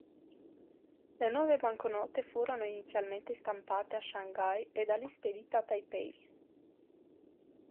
Le nuove banconote furono inizialmente stampate a Shanghai e da lì spedite a Taipei.